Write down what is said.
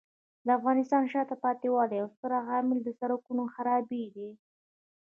د افغانستان د شاته پاتې والي یو ستر عامل د سړکونو خرابي دی.